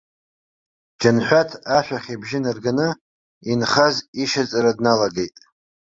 Џанҳәаҭ ашәахь ибжьы нарганы, инхаз ишьаҵара дналагеит.